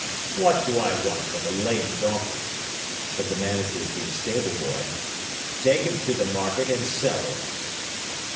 "What do I want with a lame donkey?" said the Manager to the stableboy. "Take him to the market and sell him."